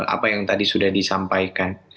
apa yang tadi sudah disampaikan